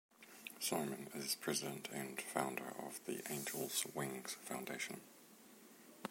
Simon is President and founder of the Angels Wings Foundation.